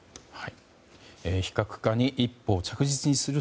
非核化に一歩着実に進む